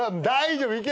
大丈夫。